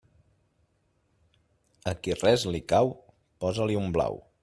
A qui res li cau, posa-li un blau.